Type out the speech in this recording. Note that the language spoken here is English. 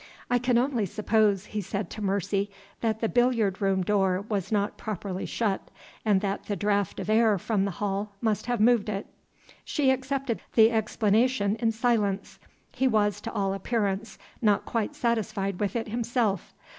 "I can only suppose," he said to Mercy, "that the billiard room door was not properly shut, and that the draught of air from the hall must have moved it." She accepted the explanation in silence. He was, to all appearance, not quite satisfied with it himself.